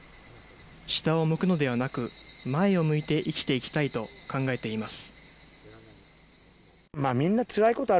下を向くのではなく、前を向いて生きていきたいと考えています。